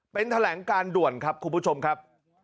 เป็นแถลงการด่วนครับคุณผู้ชมครับ